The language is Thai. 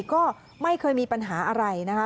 ก็ไม่เคยมีปัญหาอะไรนะคะ